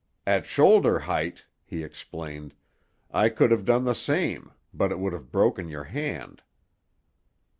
"At shoulder height," he explained, "I could have done the same; but it would have broken your hand."